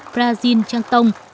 brazil trang tông